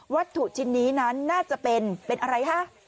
วัตถุชิ้นนี้นั้นน่าจะเป็นเป็นอะไรฮะ